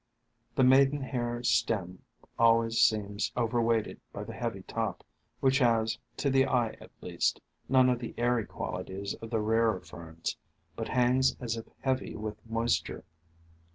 The Maidenhair stem always seems overweighted by the heavy top, which has, to the eye at least, none of the airy qualities of the rarer Ferns, but hangs as if heavy with moisture.